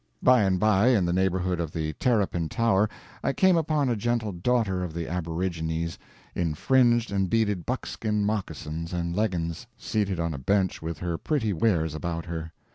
By and by, in the neighborhood of the Terrapin Tower, I came upon a gentle daughter of the aborigines in fringed and beaded buckskin moccasins and leggins, seated on a bench with her pretty wares about her.